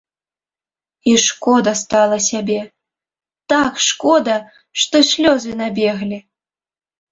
І шкода стала сябе, так шкода, што слёзы набеглі.